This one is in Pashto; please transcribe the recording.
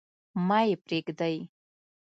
مه يې پريږدﺉ.